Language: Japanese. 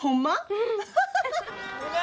うん！